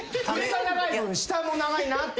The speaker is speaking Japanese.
下も長いなって。